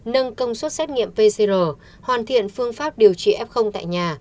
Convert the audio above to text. nâng công suất xét nghiệm pcr hoàn thiện phương pháp điều trị f tại nhà